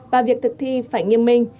và việc thực thi phải nghiêm minh